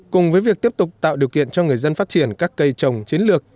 cùng với việc tiếp tục tạo điều kiện cho người dân phát triển các cây trồng chiến lược